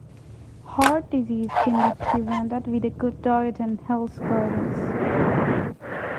Heart disease can be prevented with a good diet and health guidance.